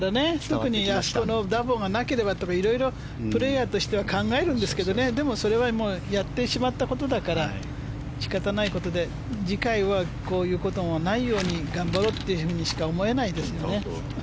特にあそこのダボがなければとか色々プレーヤーとしては考えるんですけどそれはやってしまったことだからしかたないことで次回はこういうことがないように頑張ろうというふうにしか思えないですね。